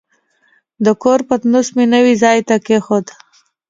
د کور پتنوس مې نوي ځای ته کېښود.